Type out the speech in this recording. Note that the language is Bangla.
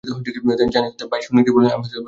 তাই সৈনিকদের বললেন, আমি তিনবার তাকবীর দিব।